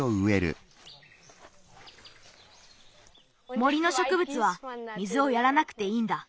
森のしょくぶつは水をやらなくていいんだ。